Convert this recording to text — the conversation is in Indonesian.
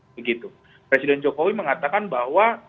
begitu presiden jokowi mengatakan bahwa